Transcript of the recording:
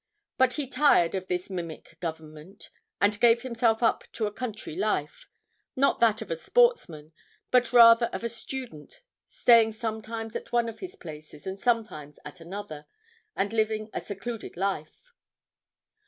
But he tired of this mimic government, and gave himself up to a country life, not that of a sportsman, but rather of a student, staying sometimes at one of his places and sometimes at another, and living a secluded life.